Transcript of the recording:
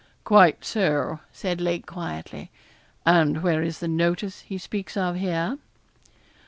'Quite so,' said Lake, quietly; 'and where is the notice he speaks of here?'